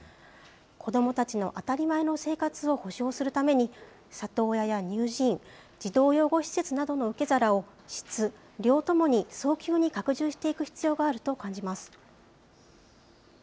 子どもたちの当たり前の生活を保障するために、里親や乳児院、児童養護施設などの受け皿を質、量ともに早急に拡充していく必要があると感じます。